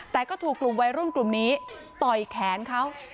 แต่ก็ถูกกลุ่มวัยรุ่นกลุ่มนี้ต่อยแขนเขา